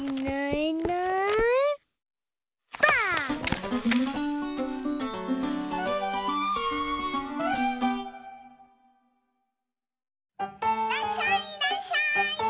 いらっしゃいいらっしゃい！